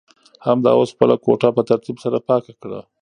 همدا اوس خپله کوټه په ترتیب سره پاکه کړه.